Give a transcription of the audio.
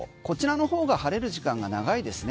こちらの方が晴れる時間が長いですね